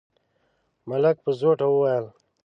ملک په زوټه وويل: